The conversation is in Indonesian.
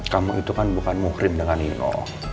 kamu itu kan bukan muhrim dengan ino